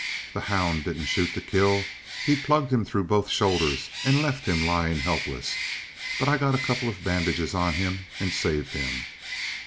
The hound didn't shoot to kill. He plugged him through both shoulders, and left him lyin' helpless. But I got a couple of bandages on him and saved him.